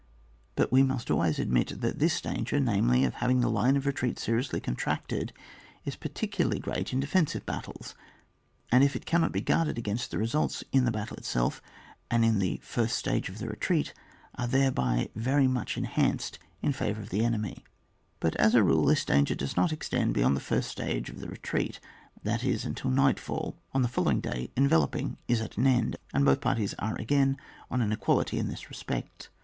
But we must always admit that this danger, namely, of having the line of retreat seriously contracted, is particularly great in defensive battles, and if it cannot be guarded against, the results in the battle itself, and in the first stage of the retreat are. thereby very much enhanced in fa vour of the enemy. But as a rule this danger does not extend beyond the first stage of the re treat, that is, until night fall; on the following day enveloping is at an end, and both parties are again on an equality in this respect.